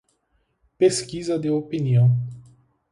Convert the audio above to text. Pesquisa de opinião